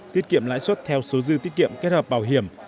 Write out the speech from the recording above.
tiết kiệm lãi suất theo số dư tiết kiệm kết hợp bảo hiểm